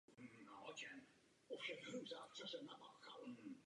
Je zde řada zvláště chráněných maloplošných území.